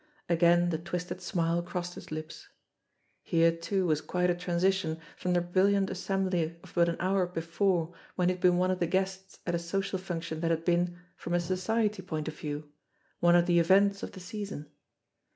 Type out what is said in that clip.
Again the twisted smile crossed his lips. Here too was quite a transition from the brilliant assembly of but an hour before when he had been one of the guests at a social function that had been, from a society point of view, one of the events of the season.